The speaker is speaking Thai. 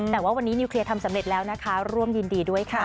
แต่ว่าวันนี้นิวเคลียร์ทำสำเร็จแล้วนะคะร่วมยินดีด้วยค่ะ